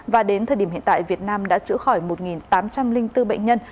và đến thời điểm hiện tại việt nam đã chữa khỏi một tám trăm linh bốn bệnh nhân